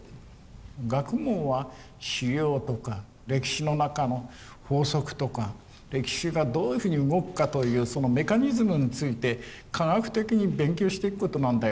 学問は資料とか歴史の中の法則とか歴史がどういうふうに動くかというそのメカニズムについて科学的に勉強していくことなんだよっていうの。